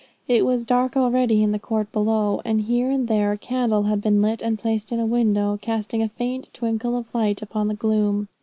It was dark already in the court below; and here and there a candle had been lit and placed in a window, casting a faint twinkle of light upon the gloom.